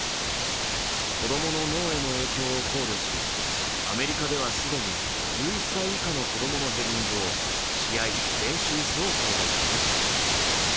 子供の脳への影響を考慮し、アメリカでは既に１１歳以下の子供のヘディングを試合・練習の双方で禁止。